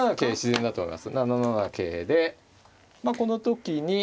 ７七桂でこの時に。